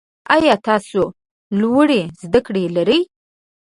ایا تاسو لوړې زده کړې لرئ؟